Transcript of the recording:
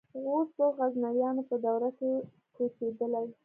غوز په غزنویانو په دوره کې کوچېدلي.